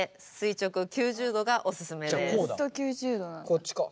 こっちか？